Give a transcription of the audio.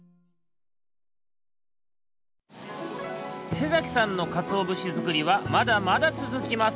瀬崎さんのかつおぶしづくりはまだまだつづきます。